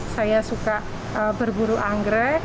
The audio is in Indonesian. saya suka berburu anggrek